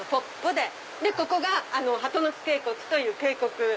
でここが鳩ノ巣渓谷という渓谷。